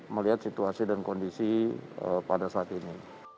melihat situasi dan kondisi pada saat ini